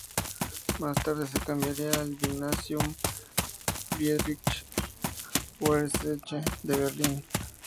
Más tarde se cambiaría al gymnasium Friedrichs-Werdersche de Berlín.